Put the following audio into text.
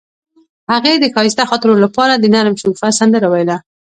هغې د ښایسته خاطرو لپاره د نرم شګوفه سندره ویله.